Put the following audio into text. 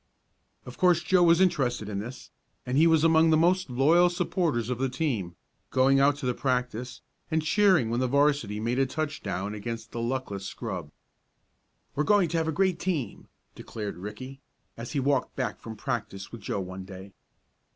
Of course Joe was interested in this, and he was among the most loyal supporters of the team, going out to the practice, and cheering when the 'varsity made a touchdown against the luckless scrub. "We're going to have a great team!" declared Ricky, as he walked back from practice with Joe one day.